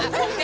masih gak sih